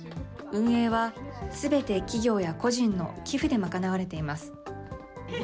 運営はすべて企業や個人の寄付で賄われています。